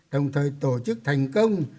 đồng thời tổ chức thành công